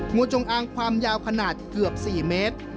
งูจงอางความยาวขนาดเกือบ๔เมตร